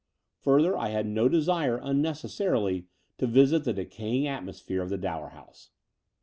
Further, I had no desire im necessarily to visit the decaying atmosphere of the Dower House.